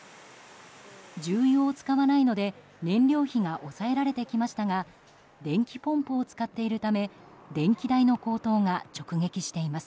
重油を使わないので燃料費が抑えられてきましたが電気ポンプを使っているため電気代の高騰が直撃しています。